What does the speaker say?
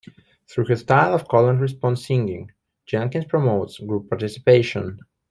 Through her style of call-and-response singing, Jenkins promotes group participation.